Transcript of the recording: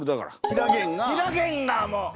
ひらげんがもう！